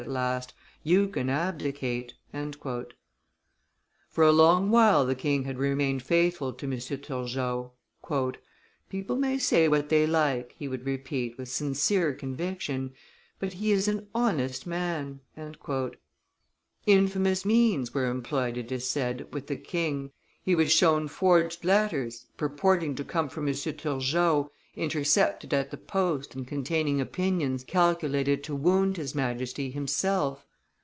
at last, "you can abdicate." For a long while the king had remained faithful to M. Turgot. "People may say what they like," he would repeat, with sincere conviction, "but he is an honest man!" Infamous means were employed, it is said, with the king; he was shown forged letters, purporting to come from M. Turgot, intercepted at the post and containing opinions calculated to wound his Majesty himself.